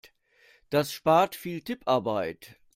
Das spart viel Tipparbeit.